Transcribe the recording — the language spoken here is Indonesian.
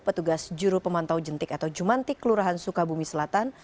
petugas juru pemantau jentik atau jumantik kelurahan sukabumi selatan